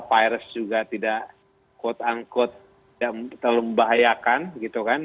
virus juga tidak quote unquote tidak terlalu membahayakan gitu kan